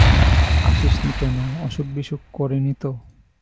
আসিস নি কেন, অসুখবিসুখ করে নি তো?